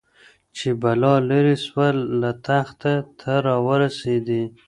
چي بلا ليري سوه له تخته ته راورسېدې